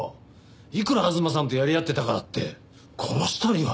いくら吾妻さんとやり合ってたからって殺したりは。